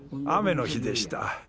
雨の日でした。